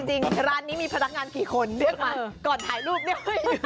จริงร้านนี้มีพนักงานกี่คนเรียกมาก่อนถ่ายรูปเนี่ย